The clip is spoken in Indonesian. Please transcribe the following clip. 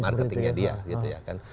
marketingnya dia gitu ya kan